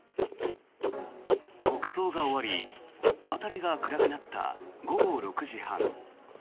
国葬が終わり辺りが暗くなった午後６時半。